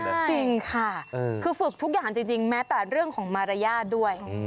จริงค่ะคือฝึกทุกอย่างจริงแม้แต่เรื่องของมารยาทด้วย